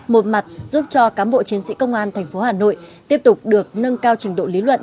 một mặt giúp cho cám bộ chiến sĩ công an thành phố hà nội tiếp tục được nâng cao trình độ lý luận